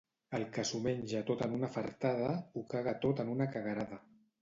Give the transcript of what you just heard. El que s'ho menja tot en una fartada, ho caga tot en una caguerada.